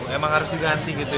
emang harus diganti gitu ya